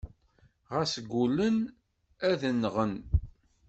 Ɣas gullen ad nɣen.